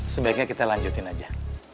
sebaiknya kita lanjutin aja